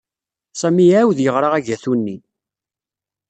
Sami iɛawed yeɣra agatu-nni.